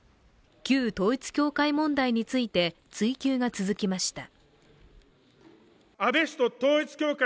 旧統一教会問題について追及が続きました。